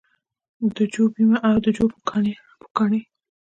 د جو بیمه او د جو پوکاڼې